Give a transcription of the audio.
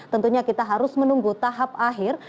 tentunya kita harus menunggu tahap akhir